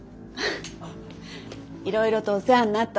いろいろとお世話になったの。